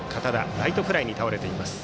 ライトフライに倒れています。